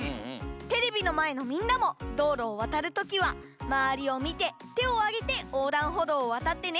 テレビのまえのみんなもどうろをわたるときはまわりをみててをあげておうだんほどうをわたってね。